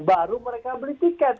baru mereka beli tiket